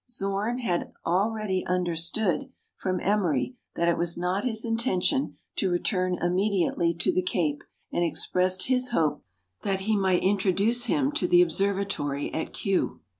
Zorn had already understood from Emery that it was not his intention to return immediately to the Cape, and expressed his hope that he might introduce him to the observatory at Kiew.